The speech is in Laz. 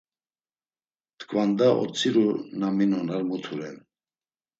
Tkvanda otziru na minon ar mutu ren.